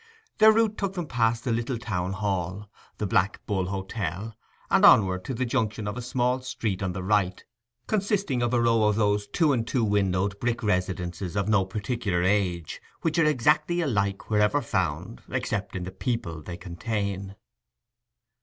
Their route took them past the little town hall, the Black Bull Hotel, and onward to the junction of a small street on the right, consisting of a row of those two and two windowed brick residences of no particular age, which are exactly alike wherever found, except in the people they contain.